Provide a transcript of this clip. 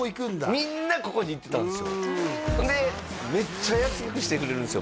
みんなここに行ってたんですよでめっちゃ安くしてくれるんですよ